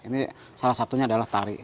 ini salah satunya adalah tari